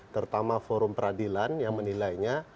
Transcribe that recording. terutama forum peradilan yang menilainya